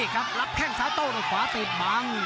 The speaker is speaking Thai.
ครับรับแข้งซ้ายโต้ด้วยขวาติดบัง